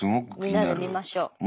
みんなで見ましょう。